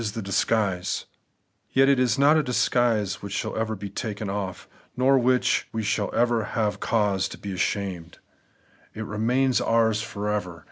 80 The Everlasting Righteousness, » Yet it is not a disguise which shall ever be taken o£f, nor of which we shall have cause to be ashamed. It remains ours for ever.